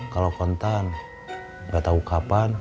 kalo kontan gak tau kapan